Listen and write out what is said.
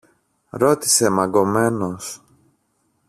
ρώτησε μαγκωμένος.